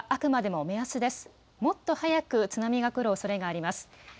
もっと早く津波が来るおそれがあります。